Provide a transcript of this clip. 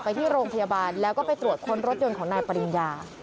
ที่โรงพยาบาลแล้วก็ไปตรวจค้นรถยนต์ของนายปริญญา